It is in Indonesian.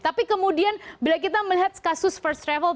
tapi kemudian bila kita melihat kasus first travel